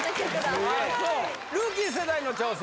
あそうルーキー世代の挑戦